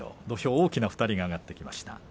土俵に大きな２人が上がってきました。